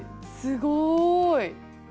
すごい！